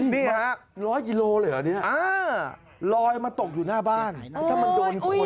ไม่อยากจะคิด